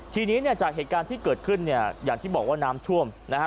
ทีนี้เนี่ยจากเหตุการณ์ที่เกิดขึ้นเนี่ยอย่างที่บอกว่าน้ำท่วมนะฮะ